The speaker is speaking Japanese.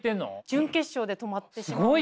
準決勝で止まってしまうんですよ。